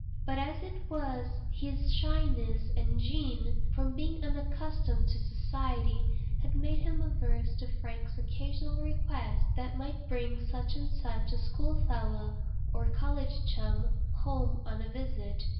But, as it was, his shyness and gêne, from being unaccustomed to society, had made him averse to Frank's occasional requests that he might bring such and such a school fellow, or college chum, home on a visit.